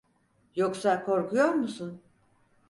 Yoksa korkuyor musun?